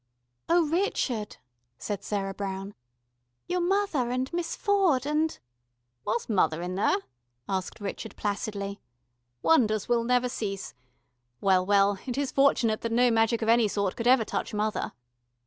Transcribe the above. "Oh, Richard," said Sarah Brown. "Your mother and Miss Ford and " "Was mother in there?" asked Richard placidly. "Wonders will never cease. Well, well, it is fortunate that no magic of any sort could ever touch mother."